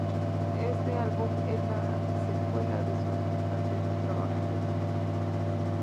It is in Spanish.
Este álbum es la secuela de su anterior trabajo, "Epica".